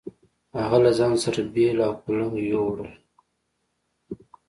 هغه له ځان سره بېل او کُلنګ يو وړل.